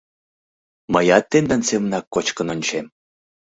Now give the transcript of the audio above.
— Мыят тендан семынак кочкын ончем.